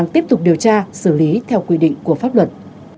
tiếp tục điều tra xử lý theo quy định của pháp luật